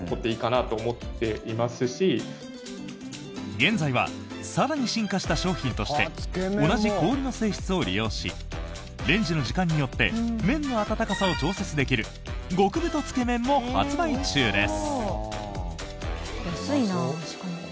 現在は更に進化した商品として同じ氷の性質を利用しレンジの時間によって麺の温かさを調節できる極太つけ麺も発売中です。